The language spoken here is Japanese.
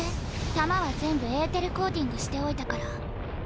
弾は全部エーテルコーティングしておいたから。